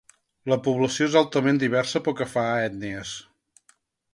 La població és altament diversa pel que fa a ètnies.